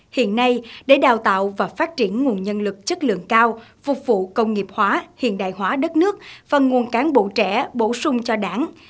hiện nay để đào tạo và phát triển nguồn nhân lực chất lượng cao phục vụ công nghiệp hóa hiện đại hóa đất nước và nguồn cán bộ trẻ bổ sung cho đảng